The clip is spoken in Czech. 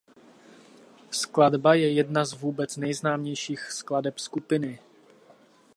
Skladba je jedna z vůbec nejznámějších skladeb skupiny.